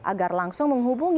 agar langsung menghubungi